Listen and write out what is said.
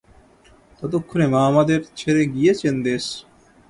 ততক্ষণে মা আমার ছেড়ে গিয়েচেন দেশ?